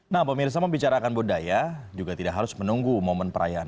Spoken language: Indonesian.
nah pemirsa membicarakan budaya juga tidak harus menunggu momen perayaan